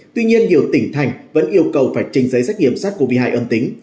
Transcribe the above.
tuy nhiên nhiều tỉnh thành vẫn yêu cầu phải trình giấy xét nghiệm sars cov hai âm tính